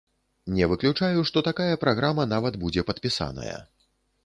Не выключаю, што такая праграма нават будзе падпісаная.